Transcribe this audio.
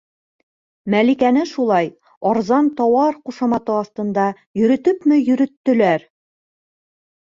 Мәликәне шулай «арзан тауар» ҡушаматы аҫтында йөрөтөпмө йөрөттөләр...